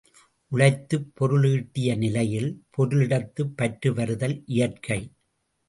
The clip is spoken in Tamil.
உழைத்துப் பொருளீட்டிய நிலையில், பொருளிடத்துப் பற்று வருதல் இயற்கை.